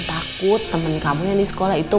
takut temen kamu yang di sekolah itu